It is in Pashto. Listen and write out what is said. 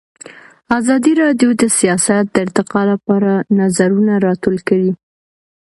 ازادي راډیو د سیاست د ارتقا لپاره نظرونه راټول کړي.